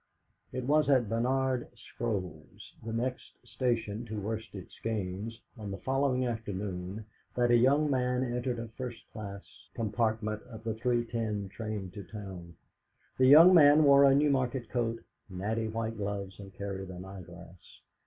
It was at Barnard Scrolls, the next station to Worsted Skeynes, on the following afternoon, that a young man entered a first class compartment of the 3.10 train to town. The young man wore a Newmarket coat, natty white gloves, and carried an eyeglass.